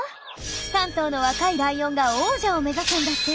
３頭の若いライオンが王者を目指すんだって。